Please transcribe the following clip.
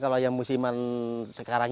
kalau yang musiman sekarang